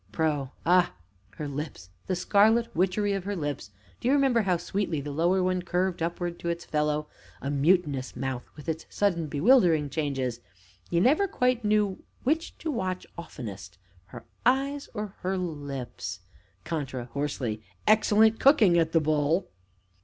PRO. Ah! her lips the scarlet witchery of her lips! Do you remember how sweetly the lower one curved upward to its fellow? A mutinous mouth, with its sudden, bewildering changes! You never quite knew which to watch oftenest her eyes or her lips CONTRA (hoarsely). Excellent cooking at "The Bull"!